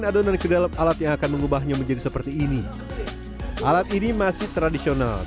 adonan kedalam alat yang akan mengubahnya menjadi seperti ini alat ini masih tradisional dan lembut